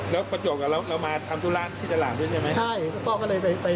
แล้วประจงเรามาทำตู้ร่านที่ชิตลาดด้วยใช่ไหม